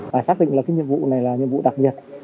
phải xác định là cái nhiệm vụ này là nhiệm vụ đặc biệt